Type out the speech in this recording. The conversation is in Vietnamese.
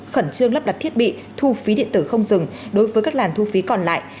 khẩn trương lắp đặt thiết bị thu phí điện tử không dừng đối với các làn thu phí còn lại